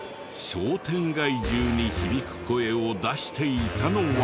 商店街中に響く声を出していたのは。